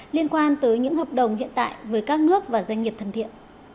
liên quan tới những hợp đồng hiện tại với các nước và doanh nghiệp thần thiện